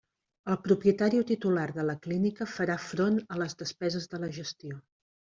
El propietari o titular de la clínica farà front a les despeses de la gestió.